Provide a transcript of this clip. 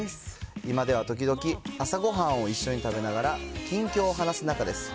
今では時々、朝ごはんを一緒に食べながら、近況を話す仲です。